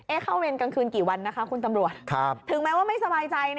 เข้าเวรกลางคืนกี่วันนะคะคุณตำรวจถึงแม้ว่าไม่สบายใจนะ